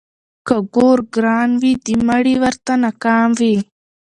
ـ که ګور ګران وي د مړي ورته نه کام وي.